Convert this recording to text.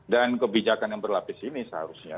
dan kebijakan yang berlapis ini seharusnya